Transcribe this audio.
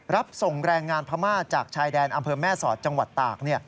รับส่งแรงงานพม่าจากชายแดนอำเภอแม่สอดจังหวัดตาก